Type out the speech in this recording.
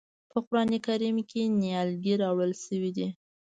په قرآن کریم کې نیالګی راوړل شوی دی.